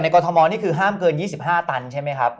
ครับ